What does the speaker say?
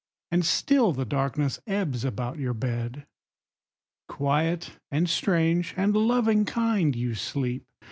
And still the darkness ebbs about your bed. Quiet, and strange, and loving kind, you sleep.